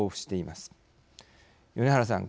米原さん